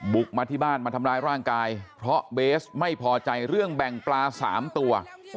มาที่บ้านมาทำร้ายร่างกายเพราะเบสไม่พอใจเรื่องแบ่งปลา๓ตัว